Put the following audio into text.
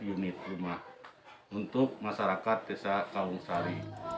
untuk rumah untuk masyarakat desa kaungsari